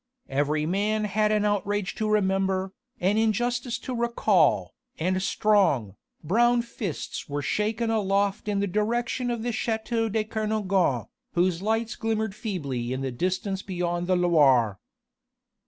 Every man had an outrage to remember, an injustice to recall, and strong, brown fists were shaken aloft in the direction of the château de Kernogan, whose lights glimmered feebly in the distance beyond the Loire.